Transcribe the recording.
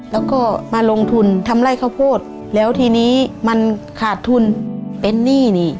แล้วก็มาลงทุนทำไร่ข้าวโพดแล้วทีนี้มันขาดทุนเป็นหนี้นี่